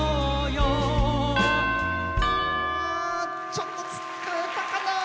ちょっとつっかえたかな。